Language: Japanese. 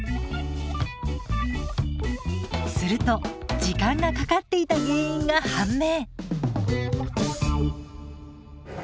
すると時間がかかっていた原因が判明。